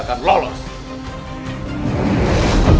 aku mau kesana